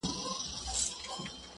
زما مرور فکر به څه لفظونه وشرنگوي!!